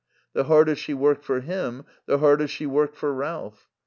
The harder she worked for him the harder she worked for Ralph.